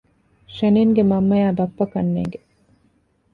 ޝެނިންގެ މަންމައާއި ބައްޕަ ކަންނޭނގެ